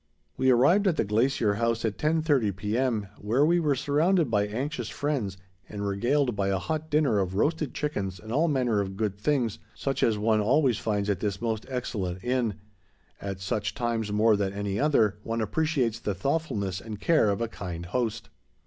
We arrived at the Glacier House at 10:30 P.M., where we were surrounded by anxious friends, and regaled by a hot dinner of roasted chickens and all manner of good things, such as one always finds at this most excellent inn. At such times, more than at any other, one appreciates the thoughtfulness and care of a kind host.